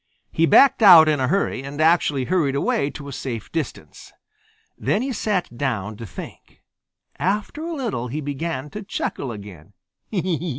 He backed out in a hurry and actually hurried away to a safe distance. Then he sat down to think. After a little he began to chuckle again.